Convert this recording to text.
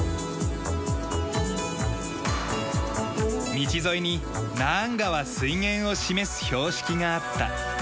道沿いにナーン川水源を示す標識があった。